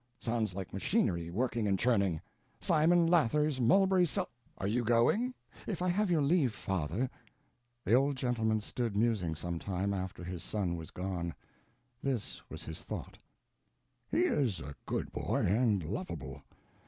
Sounds like machinery working and churning. Simon Lathers, Mulberry Sel—Are you going?" "If I have your leave, father." The old gentleman stood musing some time, after his son was gone. This was his thought: "He is a good boy, and lovable.